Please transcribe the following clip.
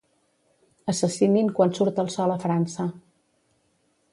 Assassinin quan surt el sol a França.